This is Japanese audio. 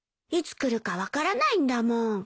いつ来るか分からないんだもん。